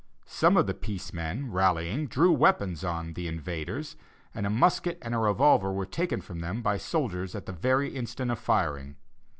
Some of the peace men, rallying, drew weapons on 'the invaders,' and a musket and a revolver were taken from them by soldiers at the very instant of firing.